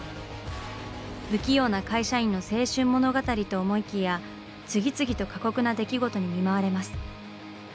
不器用な会社員の青春物語と思いきや次々と過酷な出来事に見舞われます。